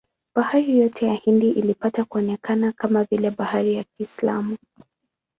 Bahari yote ya Hindi ilipata kuonekana kama vile bahari ya Kiislamu.